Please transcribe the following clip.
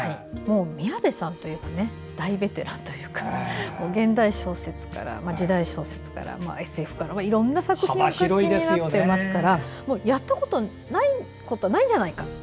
宮部さんというと大ベテランというか現代小説から、時代小説からＳＦからいろいろな作品をお書きになってますからやったことないことがないんじゃないかと。